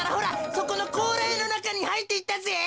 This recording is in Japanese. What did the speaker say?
そこの甲羅屋のなかにはいっていったぜ。